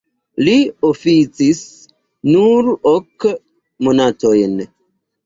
Li oficis nur ok monatojn.